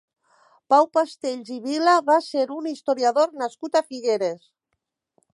Pau Pastells i Vila va ser un historiador nascut a Figueres.